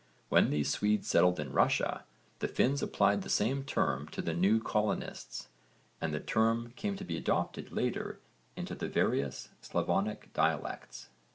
When these Swedes settled in Russia the Finns applied the same term to the new colonists and the term came to be adopted later into the various Slavonic dialects.